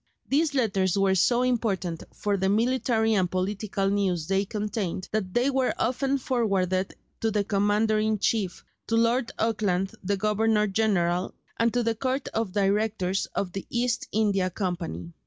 These letters were so important for the military and political news they contained that they were often forwarded to the Commander in chief, to Lord Auckland, the Governor general, and to the Court of Directors of the East India Company.